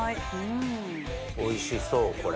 おいしそうこれ。